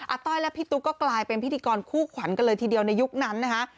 ต้อยและพี่ตุ๊กก็กลายเป็นพิธีกรคู่ขวัญกันเลยทีเดียวในยุคนั้นนะคะ